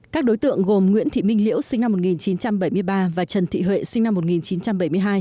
các đối tượng gồm nguyễn thị minh liễu sinh năm một nghìn chín trăm bảy mươi ba và trần thị huệ sinh năm một nghìn chín trăm bảy mươi hai